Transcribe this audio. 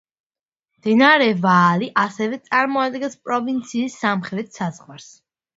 მდინარე ვაალი ასევე წარმოადგენს პროვინციის სამხრეთ საზღვარს.